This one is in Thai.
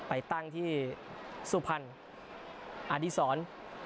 ไปตั้งที่สุพรรณอดีศร